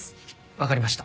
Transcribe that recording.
わかりました。